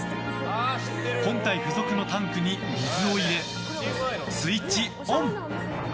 本体付属のタンクに水を入れスイッチオン！